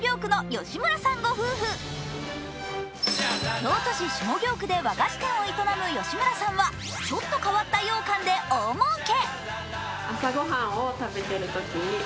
京都市下京区で和菓子店を営む吉村さんはちょっと変わったようかんで大もうけ。